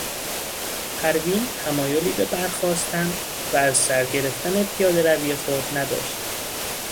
پروین تمایلی به برخاستن و از سر گرفتن پیادهروی خود نداشت.